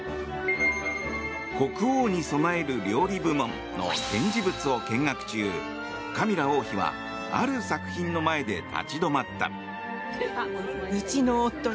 国王に供える料理部門の展示物を見学中カミラ王妃はある作品の前で立ち止まった。